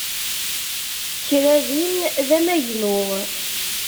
Kra din d amagnu.